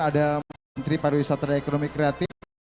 ada menteri pariwisata dan ekonomi kreatif